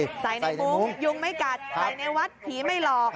ใส่ในมุ้งยุงไม่กัดใส่ในวัดผีไม่หลอก